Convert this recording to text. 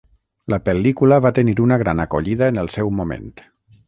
La pel·lícula va tenir una gran acollida en el seu moment.